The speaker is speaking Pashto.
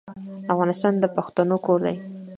افغانستان د پښتنو کور دی.